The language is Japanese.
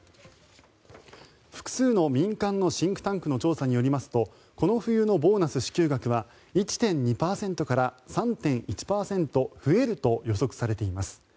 複数の民間のシンクタンクの調査によりますとこの冬のボーナス支給額は１．２％から３．１％増えると予測されています。